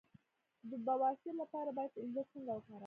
د بواسیر لپاره باید انځر څنګه وکاروم؟